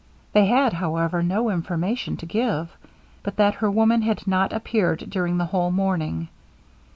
They had, however, no information to give, but that her woman had not appeared during the whole morning.